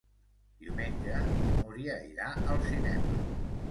Diumenge na Núria irà al cinema.